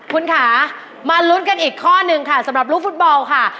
คุณค่ะมาลุ้นกันอีกข้อหนึ่งค่ะสำหรับลูกฟุตบอลค่ะ